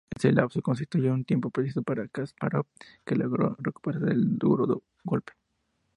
Ese lapso constituyó un tiempo precioso para Kaspárov, que logró recuperarse del duro golpe.